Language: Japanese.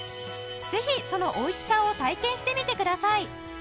ぜひその美味しさを体験してみてください